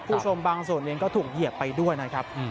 คุณผู้ชมบางส่วนเองก็ถูกเหยียบไปด้วยนะครับ